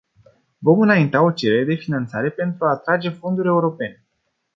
Vom înainta o cerere de finanțare pentru a atrage fonduri europene.